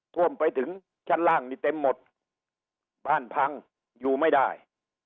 ท่วมไปถึงชั้นล่างนี่เต็มหมดบ้านพังอยู่ไม่ได้